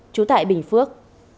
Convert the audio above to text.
chú tại bình phước